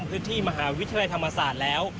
พื้นที่มหาวิทยาลัยธรรมศาสตร์แล้ว